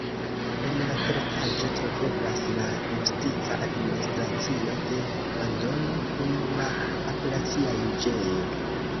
En la teretaĝo troveblas la justica administracio de Andoro kun la apelacia juĝejo.